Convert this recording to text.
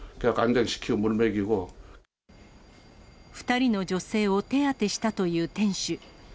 ２人の女性を手当てしたという店主。